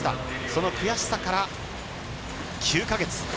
その悔しさから９か月。